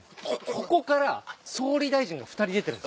ここから総理大臣が２人出てるんです。